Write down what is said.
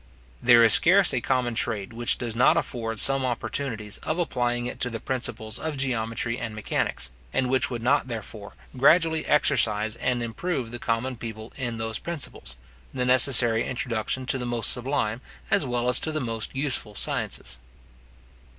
There is scarce a common trade, which does not afford some opportunities of applying to it the principles of geometry and mechanics, and which would not, therefore, gradually exercise and improve the common people in those principles, the necessary introduction to the most sublime, as well as to the most useful sciences.